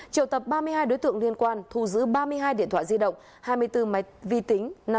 triệu tập ba mươi hai đối tượng liên quan thu giữ ba mươi hai điện thoại di động hai mươi bốn máy vi tính